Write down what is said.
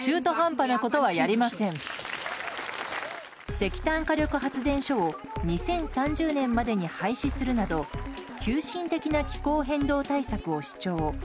石炭火力発電所を２０３０年までに廃止するなど急進的な気候変動対策を主張。